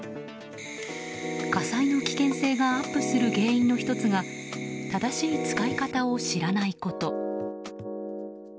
火災の危険性がアップする原因の１つが正しい使い方を知らないこと。